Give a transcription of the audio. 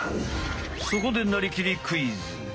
そこでなりきりクイズ！